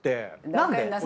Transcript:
何で？